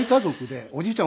おじいちゃん